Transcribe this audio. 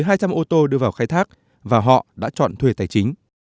vì vậy chúng tôi đã tìm một ô tô đưa vào khai thác và họ đã chọn thuê tài chính